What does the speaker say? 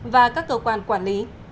và các cơ quan quản lý